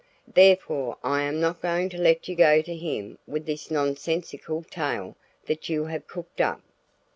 Therefore I am not going to let you go to him with this nonsensical tale that you have cooked up."